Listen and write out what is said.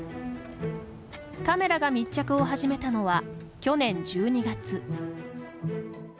カメラが密着を始めたのは去年１２月。